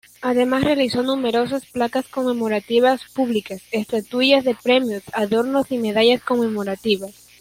Además realizó numerosas placas conmemorativas públicas, estatuillas de premios, adornos y medallas conmemorativas.